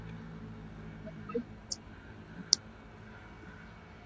Wenzake Taarabu ni sehemu ya mchanganyiko wa muziki wa Kiswahili na wenye kuchanganyika na